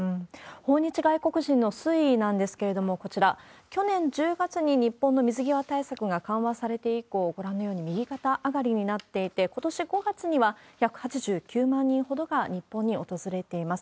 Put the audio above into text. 訪日外国人の推移なんですけれども、こちら、去年１０月に日本の水際対策が緩和されて以降、ご覧のように右肩上がりになっていて、ことし５月には、１８９万人ほどが日本に訪れています。